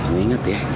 ya lu inget ya